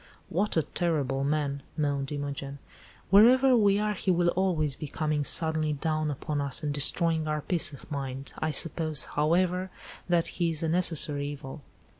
"What a terrible man!" moaned Imogen. "Wherever we are he will always be coming suddenly down upon us and destroying our peace of mind. I suppose, however, that he is a necessary evil."